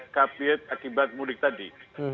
kabit akibat mudik tadi